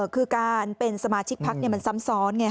คือการเป็นสมาชิกพักมันซ้ำซ้อนไง